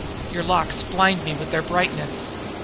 Your locks blind me with their brightness.